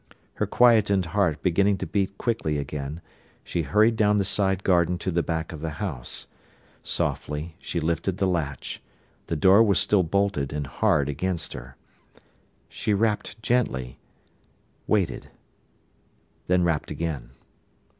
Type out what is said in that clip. Her quietened heart beginning to beat quickly again, she hurried down the side garden to the back of the house. Softly she lifted the latch; the door was still bolted, and hard against her. She rapped gently, waited, then rapped again.